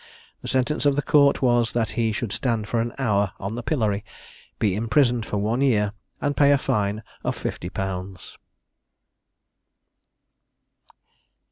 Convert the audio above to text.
The sentence of the court was, that he should stand for an hour on the pillory, be imprisoned for one year, and pay a fine of fifty pounds.